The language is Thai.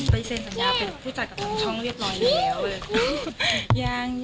ไปเสียญสัญญาไปฟูจัดกับทั้งช่องเรียบร้อย๐๒